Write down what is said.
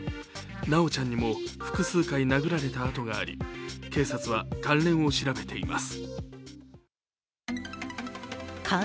修ちゃんにも複数回殴られた痕があり、警察は関連を調べています。